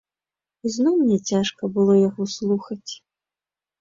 Ізноў мне цяжка было яго слухаць.